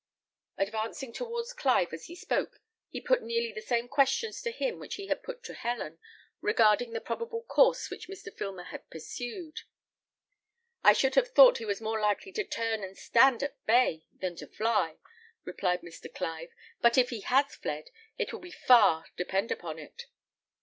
Advancing towards Clive as he spoke, he put nearly the same questions to him which he had put to Helen, regarding the probable course which Mr. Filmer had pursued. "I should have thought he was more likely to turn and stand at bay than to fly," replied Mr. Clive; "but if he has fled, it will be far, depend upon it."